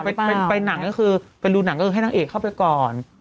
อันดับสองคือเวลาไปหนังก็คือไปดูหนังก็ให้นักเอกเข้าไปก่อน